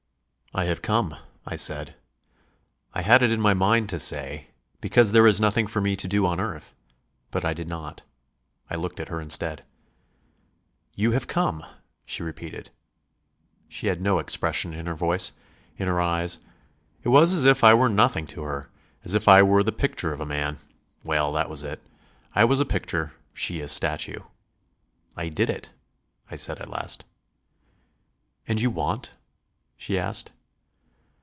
"I have come," I said. I had it in my mind to say: "Because there is nothing for me to do on earth." But I did not, I looked at her instead. "You have come," she repeated. She had no expression in her voice, in her eyes. It was as if I were nothing to her; as if I were the picture of a man. Well, that was it; I was a picture, she a statue. "I did it," I said at last. "And you want?" she asked.